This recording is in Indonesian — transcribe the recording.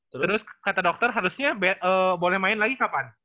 terus kata dokter harusnya boleh main lagi kapan